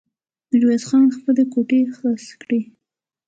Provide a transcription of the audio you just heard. ميرويس خان خپلې ګوتې خلاصې کړې.